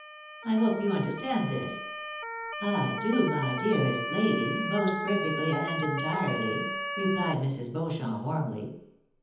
I hope you understand this ?"" I do, my dearest lady, most perfectly and entirely," replied Mrs. Beauchamp, warmly.